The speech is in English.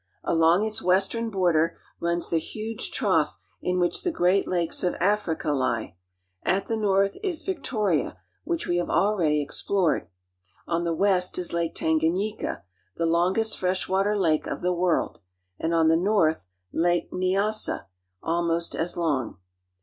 Along its western border runs the huge trough in which the great lakes of Africa lie. At the north is Victoria, which we have already explored. Four hundred and fifty miles farther south is Tanganyika, the longest fresh water lake of the world, and still farther south is Lake Nyassa(ne as'sa), almost as long.